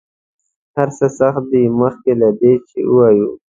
هر څه سخت دي مخکې له دې چې ووایو.